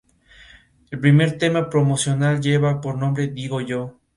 El primer tema promocional lleva por nombre Digo yo.